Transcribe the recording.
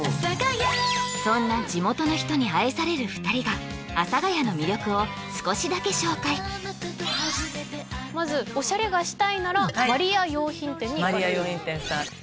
そんな地元の人に愛される２人が阿佐ヶ谷の魅力を少しだけ紹介まずオシャレがしたいならマリヤ洋品店にマリヤ洋品店さん